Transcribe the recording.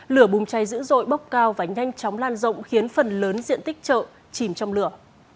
lửa bùng cháy dữ dội bốc cao và nhanh chóng lan rộng khiến phần lớn diện tích chợ chìm trong lửa